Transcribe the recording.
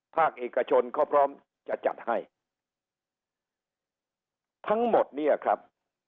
ภาคเอกชนเขาพร้อมจะจัดให้ทั้งหมดเนี่ยครับ